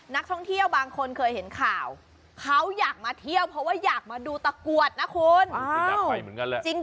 นักท่องเที่ยวบางคนเคยเห็นข่าวเขาอยากมาเที่ยวเพราะว่าอยากมาดูตะกรวดนะคุณ